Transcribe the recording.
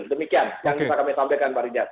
demikian yang bisa kami sampaikan pak riza